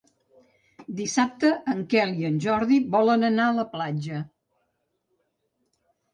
Dissabte en Quel i en Jordi volen anar a la platja.